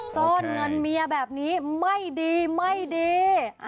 ซ่อนเงินเมียแบบนี้ไม่ดีไม่ดี